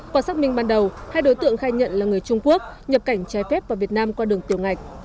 quả xác minh ban đầu hai đối tượng khai nhận là người trung quốc nhập cảnh trái phép vào việt nam qua đường tiểu ngạch